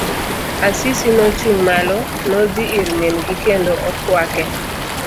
Asisi nochung' malo, nodhi ir min gi kendo okwake.